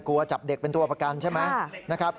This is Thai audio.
กลัวจับเด็กเป็นตัวประกันใช่ไหม